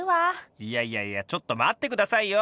いやいやいやちょっと待って下さいよ！